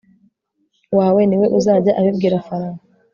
wawe ni we uzajya abibwira Farawo